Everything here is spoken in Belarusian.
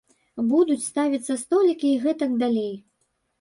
Будуць ставіцца столікі і гэтак далей.